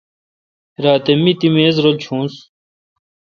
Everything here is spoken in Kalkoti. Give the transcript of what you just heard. راتہ می تی میز رل چونس۔